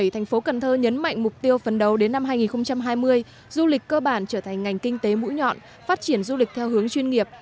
thành phố cần thơ nhấn mạnh mục tiêu phấn đấu đến năm hai nghìn hai mươi du lịch cơ bản trở thành ngành kinh tế mũi nhọn phát triển du lịch theo hướng chuyên nghiệp